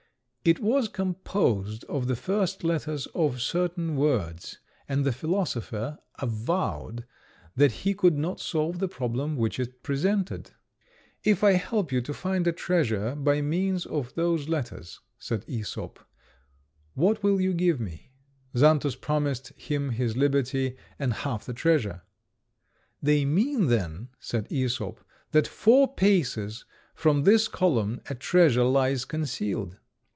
It was composed of the first letters of certain words, and the philosopher avowed that he could not solve the problem which it presented. "If I help you to find a treasure by means of those letters," said Æsop, "what will you give me?" Xantus promised him his liberty and half the treasure. "They mean, then," said Æsop, "that four paces from this column a treasure lies concealed."